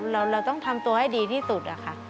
เราต้องทำตัวให้ดีที่สุดอะค่ะ